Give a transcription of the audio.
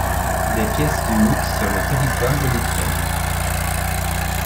Des pièces uniques sur le territoire de l'Ukraine.